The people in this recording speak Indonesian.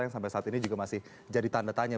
yang sampai saat ini juga masih jadi tanda tanya